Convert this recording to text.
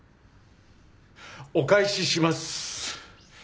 お返しします。